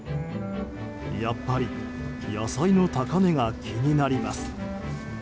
やっぱり野菜の高値が気になります。